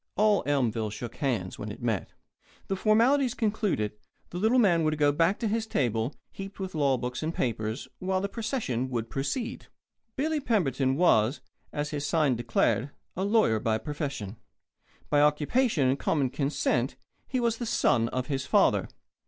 All Elmville shook hands when it met. The formalities concluded, the little man would go back to his table, heaped with law books and papers, while the procession would proceed. Billy Pemberton was, as his sign declared, a lawyer by profession. By occupation and common consent he was the Son of his Father.